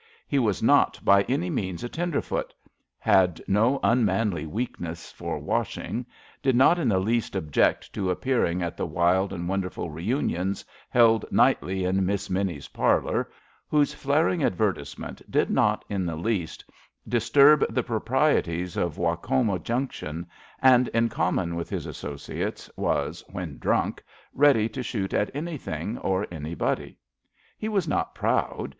He was not by any A LITTLE MOEE BEEF 49 means a tenderfoot — ^had no unmanly weakness for washing, did not in the least object to appear ing at the wild and wonderful reunions held nightly in Miss Minnie's parlour/' whose flaring advertisement did not in the least disturb the pro prieties of Wachoma Junction, and, in common with his associates, was, when drunk, ready to shoot at anything or anybody. He was not proud.